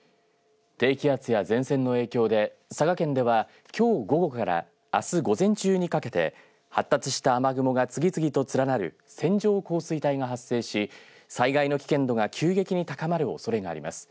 低気圧や前線の影響で佐賀県ではきょう午後からあす午前中にかけて発達した雨雲が次々と連なる線状降水帯が発生し災害の危険度が急激に高まるおそれがあります。